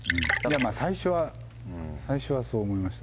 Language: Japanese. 最初は、最初はそう思いました。